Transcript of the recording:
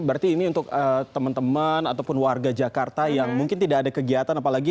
berarti ini untuk teman teman ataupun warga jakarta yang mungkin tidak ada kegiatan apalagi